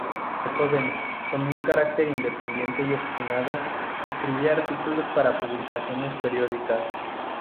De joven, con un carácter independiente y obstinado, escribía artículos para publicaciones periódicas.